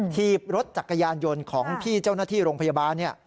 ทีบรถจักรยานยนต์ของพี่เจ้าหน้าที่โรงพยาบาล